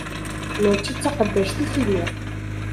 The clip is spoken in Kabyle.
Mačči d taqeddact-ik i lliɣ.